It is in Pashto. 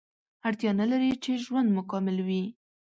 اړتیا نلري چې ژوند مو کامل وي